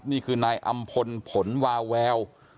นี่คือนายอำพลผลวาแวว